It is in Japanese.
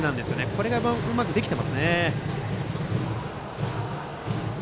これがうまくできてますよね。